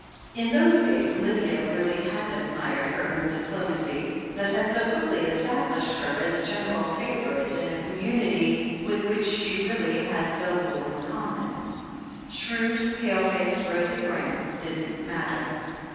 In those days, Lydia had really admired her own diplomacy, that had so quickly established her as gen eral favourite in a community with which she really had so little in common. Shrewd, pale faced Rosie Graham didn't matter.